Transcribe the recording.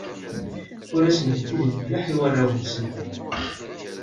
Ur asen-bdiden mliḥ i warraw-nsen.